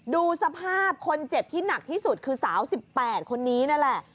ดูสภาพคนเจ็บที่หนักที่สุดคือสาว๑๘คนนี้นั่นแหละ